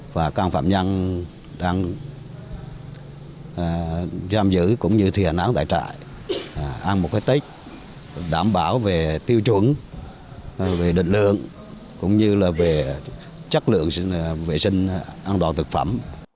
và các phạm nhân đang giam giữ cũng như thi hành án tại trại ăn một cái tết đảm bảo về tiêu chuẩn về định lượng cũng như là về chất lượng vệ sinh an toàn thực phẩm